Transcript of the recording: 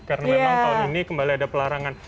karena memang tahun ini kembali ada pelarangan